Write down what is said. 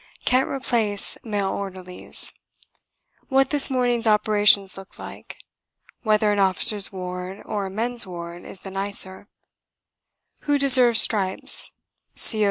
's can't replace Male Orderlies; What this Morning's Operations Looked Like; Whether an Officers' Ward or a Men's Ward is the nicer; Who Deserves Stripes; C.O.'